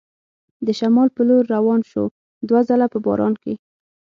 د شمال په لور روان شو، دوه ځله په باران کې.